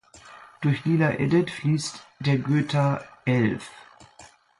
Durch Lilla Edet fließt der Göta älv.